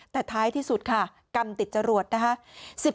แต่ท้ายที่สุดค่ะกรรมติดจรวดนะคะ